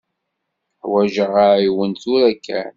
Ḥwaǧeɣ aɛiwen tura kan.